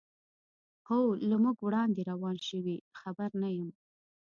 هو، له موږ وړاندې روان شوي، خبر نه یم.